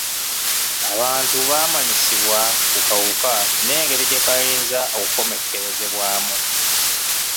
Abantu baamanyisibwa ku kawuka n'engeri gye kayinza okomekerezebwamu.